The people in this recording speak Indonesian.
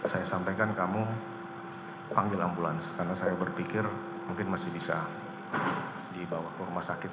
saya sampaikan kamu panggil ambulans karena saya berpikir mungkin masih bisa dibawa ke rumah sakit